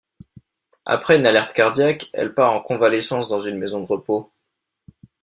Après une alerte cardiaque, elle part en convalescence dans une maison de repos.